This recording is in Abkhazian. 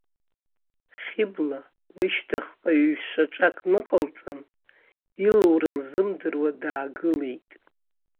Хьыбла, лышьҭахьҟа ҩ-шьаҿак ныҟалҵан, илура лзымдыруа даагылеит.